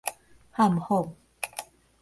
譀仿